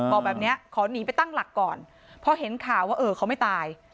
บอกแบบนี้ขอหนีไปตั้งหลักก่อนพอเห็นข่าวว่าเออเขาไม่ตาย